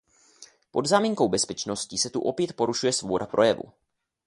Pod záminkou bezpečnosti se tu opět porušuje svoboda projevu.